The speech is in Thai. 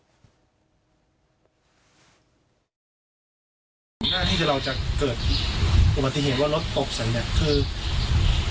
ก่อนหน้าที่เราจะเกิดอุบัติเหตุว่ารถตกใส่เนี่ยคือ